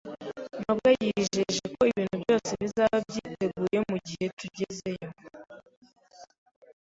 mabwa yijeje ko ibintu byose bizaba byiteguye mugihe tugezeyo.